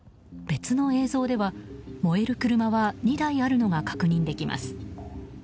別の映像では、燃える車は２台あるのが確認できます。